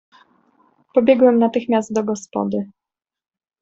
"Pobiegłem natychmiast do gospody."